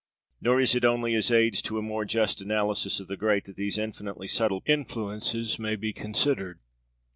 Nor is it only as aids to a more just analysis of the great that these infinitely subtle influences may be considered.